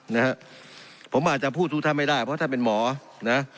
นะฮะผมอาจจะพูดทุกท่านไม่ได้เพราะท่านเป็นหมอนะ